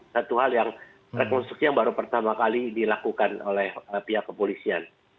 satu hal yang rekonstruksi yang baru pertama kali dilakukan oleh pihak kepolisian